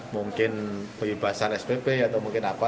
mungkin bebasan spp atau mungkin apa